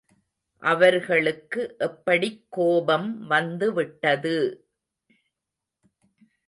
அவர்களுக்கு எப்படிக் கோபம் வந்து விட்டது!